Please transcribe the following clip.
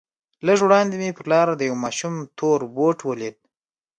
لږ وړاندې مې پر لاره د يوه ماشوم تور بوټ ولېد.